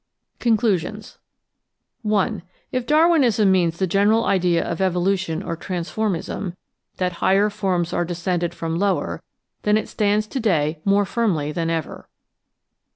§ 11 CONCLUSIONS 1. If Darwinism means the general idea of evolution or transformism — ^that higher forms are descended from lower — then it stands to day more firmly than ever.